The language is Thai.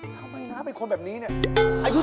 ทำไมน้าเป็นคนแบบนี้เนี่ย